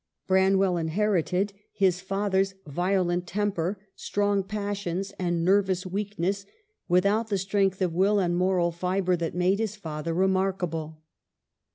Branwell inherited his father's violent temper, strong passions, and nervous weakness without the strength of will and moral fibre that made his father remarkable.